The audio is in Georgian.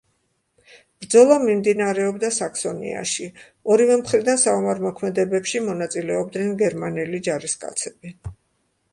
ბრძოლა მიმდინარეობდა საქსონიაში, ორივე მხრიდან საომარ მოქმედებებში მონაწილეობდნენ გერმანელი ჯარისკაცები.